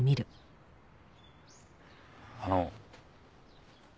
あの。